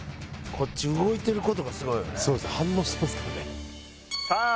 こっち動いてることがすごいよねさあ